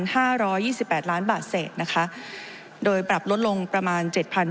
ห้าร้อยยี่สิบแปดล้านบาทเศษนะคะโดยปรับลดลงประมาณเจ็ดพัน